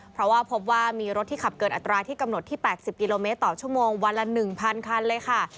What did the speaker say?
เพราะว่าพบว่ามีรถที่ขับเกินอัตราที่กำหนดที่๘๐กิโลเมตรต่อชั่วโมงวันละ๑๐๐คันเลยค่ะ